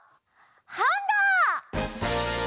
ハンガー！